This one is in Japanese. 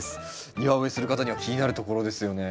庭植えする方には気になるところですよね。